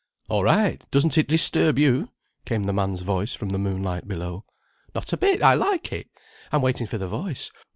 "All right. Doesn't it disturb you?" came the man's voice from the moonlight below. "Not a bit. I like it. I'm waiting for the voice.